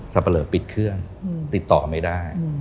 ปะเลอปิดเครื่องติดต่อไม่ได้